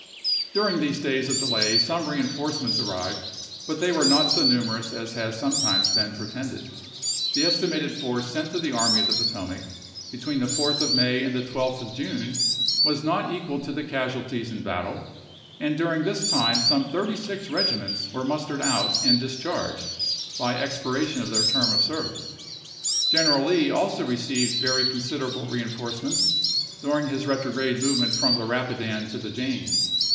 During these days of delay some reenforcements arrived, but they were not so numerous as has sometimes been pretended. The estimated force ph^eys, sent to the Army of the Potomac, between the 4th Virginia of May and the 12th of June, was not equal of64iiud iq i]^Q casualties in battle; and dui'ing this time '65," p. 110. Badeau. Vol. II., May, 1864. some thirty six regiments were mustered out and discharged, by expiration of their term of service. ^ General Lee also received very considerable reen forcements, during his retrograde movement from the Eapidan to the James.